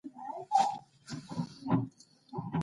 مګر تاریخي شواهد ددې خبرې تصدیق نه کوي.